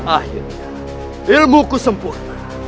akhirnya ilmuku sempurna